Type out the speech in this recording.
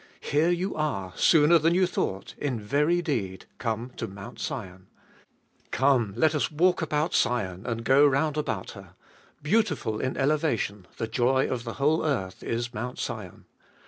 Here you are, sooner than you thought, in very deed, come to Mount Sion ! Come, let us walk about Sion, and go round about her. Beautiful in elevation, the joy of the whole earth, is Mount Sion.